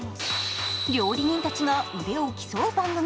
料理人たちが腕を競う番組